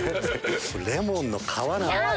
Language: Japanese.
レモンの皮なんです